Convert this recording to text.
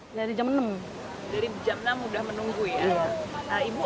pembeli penukaran uang di bank indonesia sudah terisi penuh